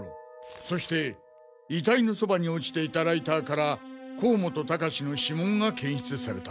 そして遺体のそばに落ちていたライターから甲本高士の指紋が検出された。